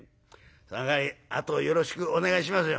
そのかわりあとよろしくお願いしますよ」。